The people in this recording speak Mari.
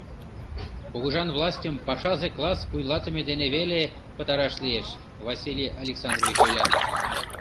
Кугыжан властьым пашазе класс вуйлатыме дене веле пытараш лиеш, — Василий Александрович ойла.